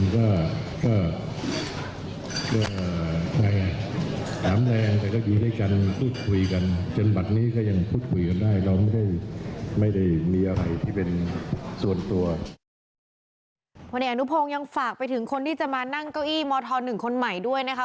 พลเอกอนุพงศ์ยังฝากไปถึงคนที่จะมานั่งเก้าอี้มธ๑คนใหม่ด้วยนะคะ